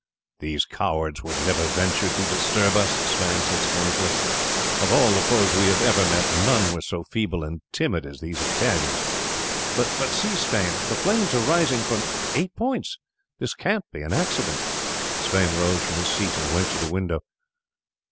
"These cowards would never venture to disturb us," Sweyn said scornfully; "of all the foes we have ever met none were so feeble and timid as these Italians." "But see, Sweyn, the flames are rising from eight points; this cannot be accident." Sweyn rose from his seat and went to the window.